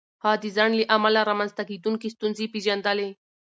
هغه د ځنډ له امله رامنځته کېدونکې ستونزې پېژندلې.